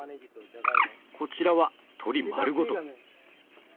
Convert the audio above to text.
こちらは鶏丸ごと！